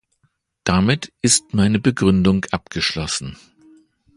Damit ist meine Begründung abgeschlossen.